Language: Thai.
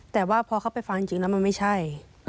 แต่ว่าพอเขาไปฟังจริงแล้วมันไม่ใช่